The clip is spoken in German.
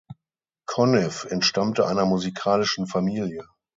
Conniff entstammte einer musikalischen Familie.